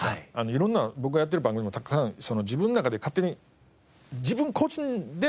いろんな僕がやってる番組もたくさん自分の中で勝手に自分個人で色分けしてるんですよ。